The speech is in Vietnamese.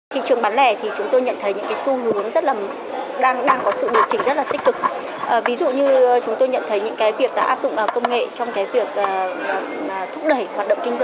thị trường bán lẻ thì chúng tôi nhận thấy những xu hướng đang có sự điều chỉnh rất là tích cực